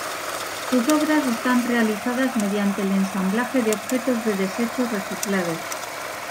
Sus obras están realizadas mediante el ensamblaje de objetos de desecho reciclados.